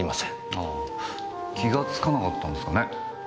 あぁ気がつかなかったんですかね？